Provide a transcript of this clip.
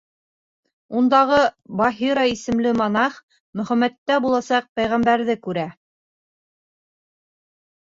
Ундағы Баһира исемле монах Мөхәммәттә буласаҡ пәйғәмбәрҙе күрә.